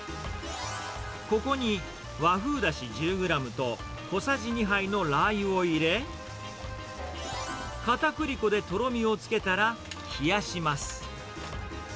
ここに和風だし１０グラムと小さじ２杯のラー油を入れ、かたくり粉でとろみをつけたら冷やします。